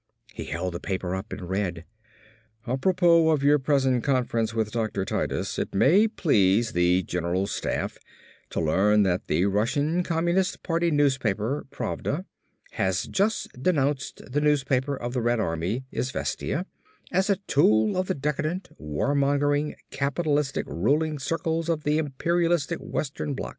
He held the paper up and read, "Apropos of your present conference with Dr. Titus, it may please the General Staff to learn that the Russian Communist Party newspaper, Pravda, has just denounced the newspaper of the Red Army, Izvestia, as a tool of the decadent, warmongering, capitalist ruling circles of the imperialist Western bloc.